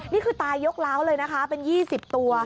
นี่คือตายยกล้าวเลยนะคะเป็น๒๐ตัว